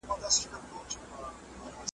باران د بزګرانو خوښي ده.